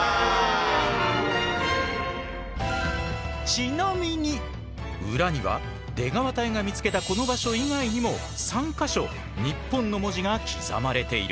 ちなみに裏には出川隊が見つけたこの場所以外にも３か所「ＮＩＰＰＯＮ」の文字が刻まれている。